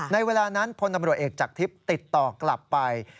ในเวลานั้นพตเอกจักรทิศติดต่อกลับไป